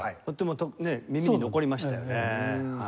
とってもね耳に残りましたよね。